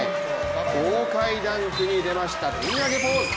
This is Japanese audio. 豪快ダンクに出ました、テンアゲポーズ。